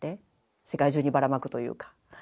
世界中にばらまくというか。